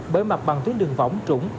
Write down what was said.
bởi mặt bằng tuyến đường vỏng trũng